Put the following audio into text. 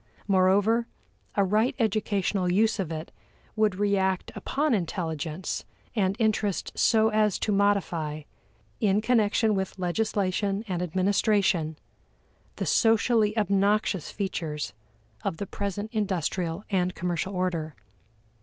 Moreover, a right educational use of it would react upon intelligence and interest so as to modify, in connection with legislation and administration, the socially obnoxious features of the present industrial and commercial order.